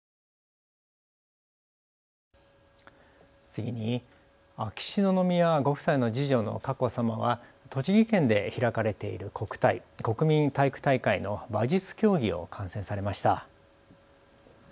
次に秋篠宮ご夫妻の次女の佳子さまは栃木県で開かれている国体・国民体育大会の馬術競技を観戦されました。